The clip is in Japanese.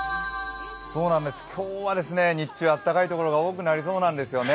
今日は日中、暖かい所が多くなりそうなんですよね。